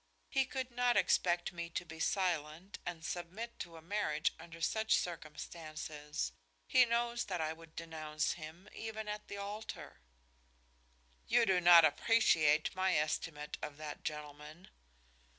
"He could not expect me to be silent and submit to a marriage under such circumstances. He knows that I would denounce him, even at the altar." "You do not appreciate my estimate of that gentleman."